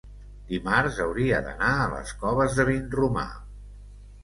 Dimarts hauria d'anar a les Coves de Vinromà.